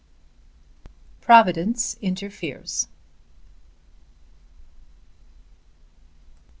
PROVIDENCE INTERFERES.